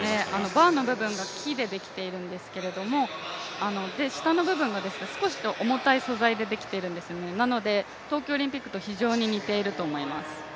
バーの部分が木でできているんですけども、下の部分が少し重たい素材でできているので東京オリンピックと非常に似ていると思います。